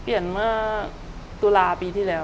เปลี่ยนเมื่อตุลาปีที่แล้ว